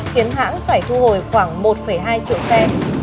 khiến hãng phải thu hồi khoảng một hai triệu xe